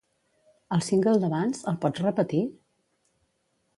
El single d'abans, el pots repetir?